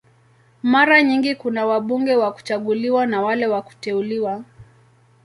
Mara nyingi kuna wabunge wa kuchaguliwa na wale wa kuteuliwa.